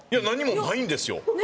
何もないんですよ。